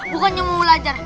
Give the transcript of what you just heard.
bukannya mau belajar